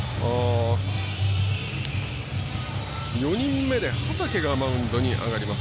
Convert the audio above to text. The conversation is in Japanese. ４人目で畠がマウンドに上がります。